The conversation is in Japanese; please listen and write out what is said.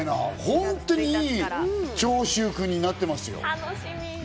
本当にいい長州くんになってますよ。